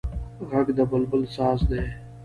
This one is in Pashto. غږ د بلبل ساز دی